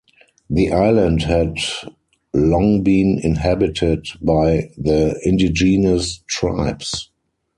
The island had long been inhabited by the indigenous tribes.